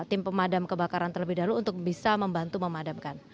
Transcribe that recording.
tim pemadam kebakaran terlebih dahulu untuk bisa membantu memadamkan